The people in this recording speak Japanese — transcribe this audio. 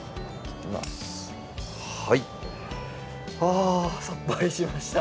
あさっぱりしました。